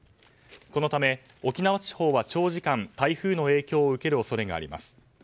このため沖縄地方は長時間台風の影響を受ける恐れがあります。